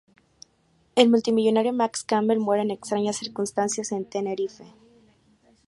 El multimillonario Max Campbell muere en extrañas circunstancias en Tenerife.